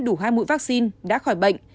đủ hai mũi vaccine đã khỏi bệnh